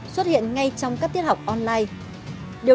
xuất hiện ngay trong các tiết học online